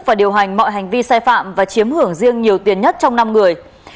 và điều hành mọi hành vi sai phạm và chiếm hưởng riêng nhiều tiền nhất trong năm người